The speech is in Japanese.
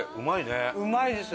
うまいです。